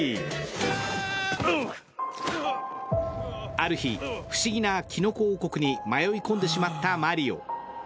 ある日、不思議なキノコ王国に迷い込んでしまったマリオ。